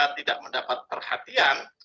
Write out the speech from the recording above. tidak mendapat perhatian